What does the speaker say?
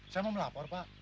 saya mau melapor pak